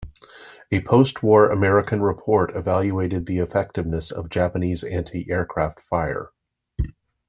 A postwar American report evaluated the effectiveness of Japanese anti-aircraft fire.